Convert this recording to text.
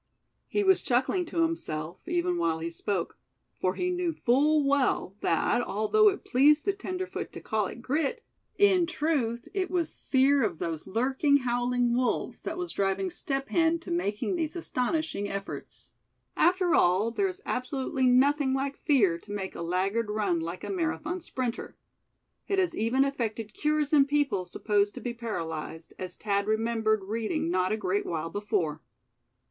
He was chuckling to himself even while he spoke; for he knew full well that, although it pleased the tenderfoot to call it "grit," in truth it was fear of those lurking, howling wolves that was driving Step Hen to making these astonishing efforts. After all there is absolutely nothing like fear to make a laggard run like a Marathon sprinter. It has even effected cures in people supposed to be paralyzed, as Thad remembered reading not a great while before.